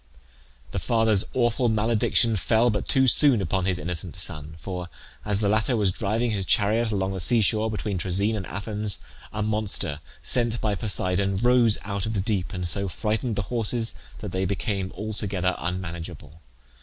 The father's awful malediction fell but too soon upon his innocent son; for, as the latter was driving his chariot along the sea shore, between Troezen and Athens, a monster, sent by Poseidon, rose out of the deep, and so frightened the horses that they became altogether unmanageable.